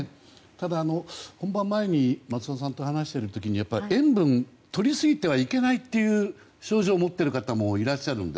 ただ、本番前に松尾さんと話している時に塩分をとりすぎてはいけないという症状をお持ちの方もいらっしゃるので。